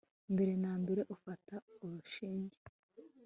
mbere na mbere ufata urushinge